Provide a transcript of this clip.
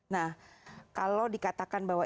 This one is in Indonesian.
nah kalau dikatakan bahwa